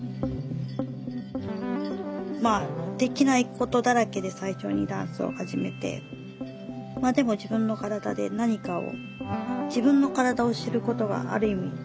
まあできないことだらけで最初にダンスを始めてでも自分の身体で何かを自分の身体を知ることがある意味